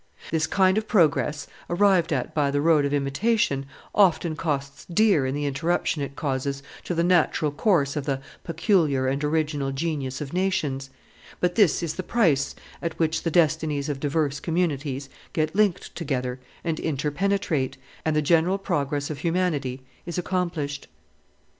This kind of progress, arrived at by the road of imitation, often costs dear in the interruption it causes to the natural course of the peculiar and original genius of nations; but this is the price at which the destinies of diverse communities get linked together and interpenetrate, and the general progress of humanity is accomplished.